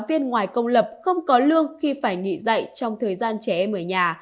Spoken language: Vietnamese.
giáo viên ngoài công lập không có lương khi phải nghỉ dạy trong thời gian trẻ mở nhà